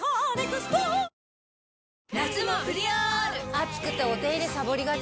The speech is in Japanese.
暑くてお手入れさぼりがち。